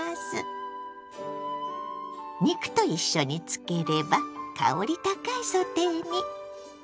肉と一緒に漬ければ香り高いソテーに。